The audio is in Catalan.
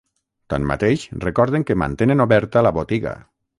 Tanmateix, recorden que mantenen oberta la botiga.